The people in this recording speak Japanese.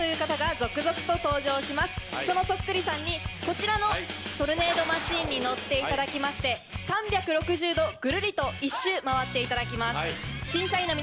そのそっくりさんにこちらのトルネードマシンに乗っていただきまして３６０度ぐるりと１周回っていただきます。を差し上げます。